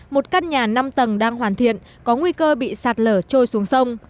một căn nhà năm tầng đang hoàn thiện có nguy cơ bị sạt lở trôi xuống sông